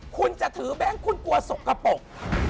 คุณจะถือแม่งคุณกลัวสกกระป๋อง